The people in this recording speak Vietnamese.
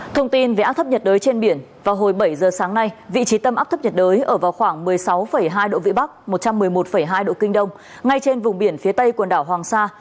thông tin về áp thấp nhiệt đới trên biển vào hồi bảy giờ sáng nay vị trí tâm áp thấp nhiệt đới ở vào khoảng một mươi sáu hai độ vĩ bắc một trăm một mươi một hai độ kinh đông ngay trên vùng biển phía tây quần đảo hoàng sa